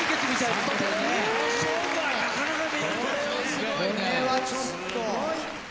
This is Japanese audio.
これはちょっと。